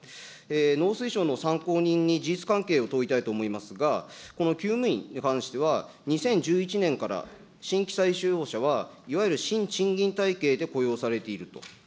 農水省の参考人に事実関係を問いたいと思いますが、このきゅう務員に関しては、２０１１年から、新規者は、いわゆる新賃金体系で雇用されていると。